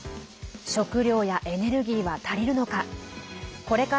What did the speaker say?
食料やエネルギーは足りるのか。